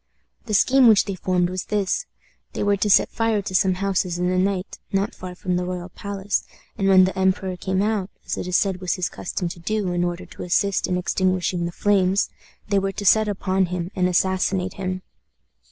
The scheme which they formed was this: they were to set fire to some houses in the night, not far from the royal palace, and when the emperor came out, as it is said was his custom to do, in order to assist in extinguishing the flames, they were to set upon him and assassinate him.